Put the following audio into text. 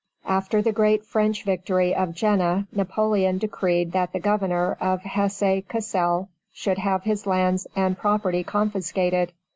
After the great French victory of Jena, Napoleon decreed that the Governor of Hesse Cassel should have his lands and property confiscated.